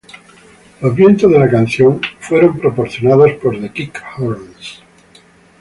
Los vientos de la canción fueron proporcionados por The Kick Horns.